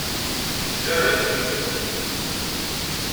Ira-tent.